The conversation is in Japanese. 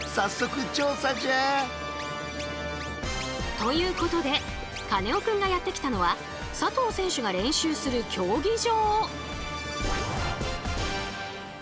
ということでカネオくんがやって来たのは佐藤選手が練習する競技場。